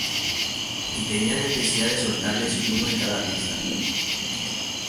Y tenía necesidad de soltarles uno en cada fiesta.